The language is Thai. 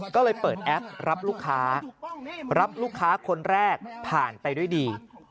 ก็เลยเปิดแอปรับลูกค้ารับลูกค้าคนแรกผ่านไปด้วยดี